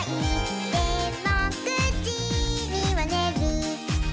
「でも９じにはねる」